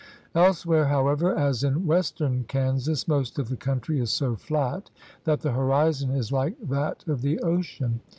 Elsewhere, however, as in western Kansas, most of the country is so flat that the horizon is like that of the ocean.